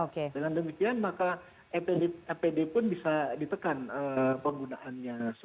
dengan demikian maka apd pun bisa ditekan penggunaannya